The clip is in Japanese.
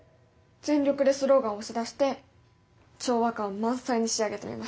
全力でスローガン押し出して調和感満載に仕上げてみました。